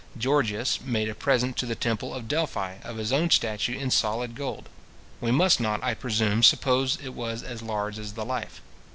Georgias made a present to the temple of Delphi of his own statue in solid gold. We must not, I presume, suppose that it was as large as the life.